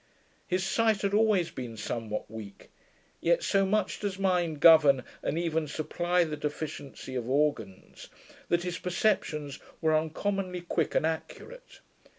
His sight had always been somewhat weak; yet, so much does mind govern, and even supply the deficiency of organs, that his perceptions were uncommonly quick and accurate.